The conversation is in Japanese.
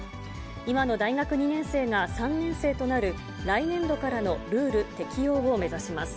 今の大学２年生が３年生となる、来年度からのルール適用を目指します。